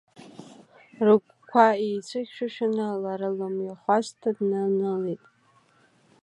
Ргәқәа еицәыхьшәашәаны, лара лымҩахәасҭа днанылеит.